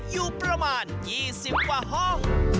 อยู่ประมาณ๒๐กว่าห้อง